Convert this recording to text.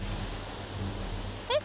えっ？